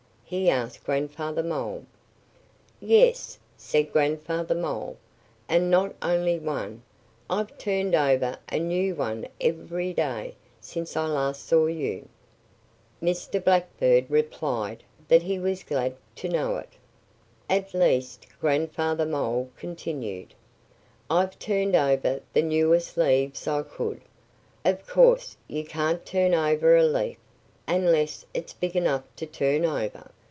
he asked Grandfather Mole. "Yes!" said Grandfather Mole. "And not only one! I've turned over a new one every day since I last saw you." Mr. Blackbird replied that he was glad to know it. [Illustration: Grandfather Mole Greets Mr. Meadow Mouse. (Page 61)] "At least," Grandfather Mole continued, "I've turned over the newest leaves I could. Of course you can't turn over a leaf unless it's big enough to turn over.